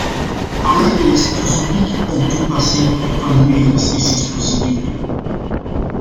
Allereerst verzoek ik om toepassing van de medebeslissingsprocedure.